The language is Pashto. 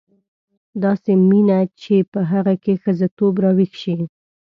داسې مینه چې په هغه کې ښځتوب راویښ شي.